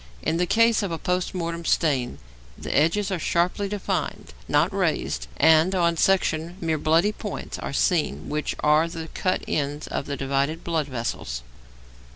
In the case of a post mortem stain the edges are sharply defined, not raised, and, on section, mere bloody points are seen which are the cut ends of the divided blood vessels.